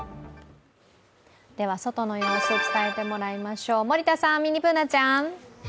外の様子、伝えてもらいましょう森田さん、ミニＢｏｏｎａちゃん。